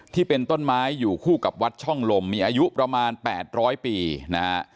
ที่เป็นต้นไม้อยู่คู่กับวัดช่องลมมีอายุประมาณ๘๐๐ปีนะฮะ